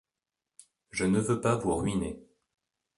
Je ne veux pas vous ruiner